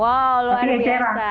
wow luar biasa